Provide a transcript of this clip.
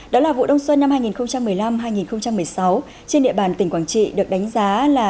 đó là vụ đông xuân năm hai nghìn một mươi năm hai nghìn một mươi sáu trên địa bàn tỉnh quảng trị được đánh giá là